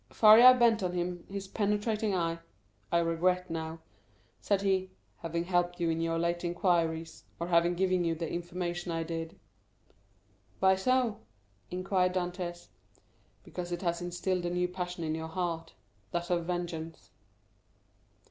Faria bent on him his penetrating eye. "I regret now," said he, "having helped you in your late inquiries, or having given you the information I did." "Why so?" inquired Dantès. "Because it has instilled a new passion in your heart—that of vengeance."